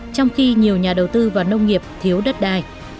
trong khi nhiều nhà đầu tư vào nông nghiệp thiếu đất đai